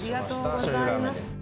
しょうゆラーメンです。